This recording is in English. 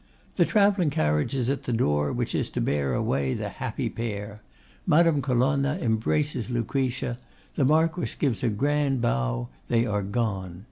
The travelling carriage is at the door which is to bear away the happy pair. Madame Colonna embraces Lucretia; the Marquess gives a grand bow: they are gone.